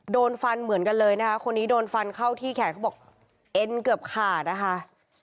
โดนฟันเหมือนกันเลยนะคะคนนี้โดนฟันเข้าที่แขนเขาบอกเอ็นเกือบขาดนะคะ